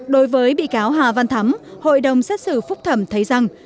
đối với bị cáo hà văn thắm hội đồng xét xử phúc thẩm thấy rằng